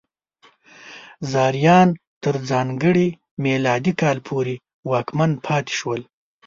زیاریان تر ځانګړي میلادي کاله پورې واکمن پاتې شول.